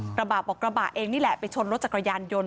กระบะบอกกระบะเองนี่แหละไปชนรถจักรยานยนต์